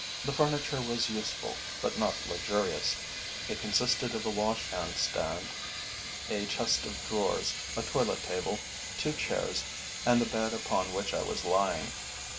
The furniture was useful, but not luxurious; it consisted of a wash hand stand, a chest of drawers, a toilet table, two chairs, and the bed upon which I was lying.